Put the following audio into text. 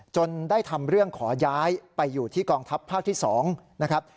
จนได้ทำเรื่องขอย้ายไปอยู่ที่กองทัพภาคที่๒นะครับ